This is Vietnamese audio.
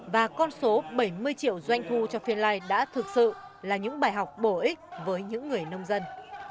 và con số bảy mươi triệu doanh thu cho phiên life đã thực sự là những bài học bổ ích với những người nông dân